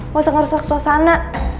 gak usah ngerusak suasana